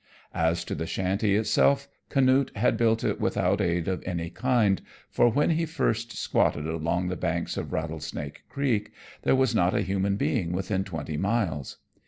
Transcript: As to the shanty itself, Canute had built it without aid of any kind, for when he first squatted along the banks of Rattlesnake Creek there was not a human being within twenty miles.